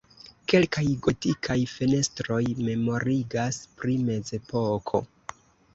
Kelkaj gotikaj fenestroj memorigas pri mezepoko.